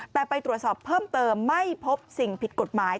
แต่ไปตรวจสอบเพิ่มเติมไม่พบสิ่งผิดกฎหมาย